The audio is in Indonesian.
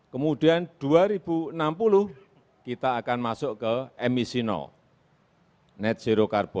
kemudian dua ribu enam puluh kita akan masuk ke emisi net zero carbon